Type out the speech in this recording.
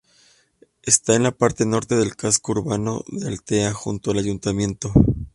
Está en la parte norte del casco urbano de Altea, junto al ayuntamiento.